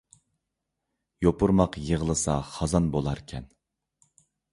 يۇپۇرماق يىغلىسا خازان بۇلار كەن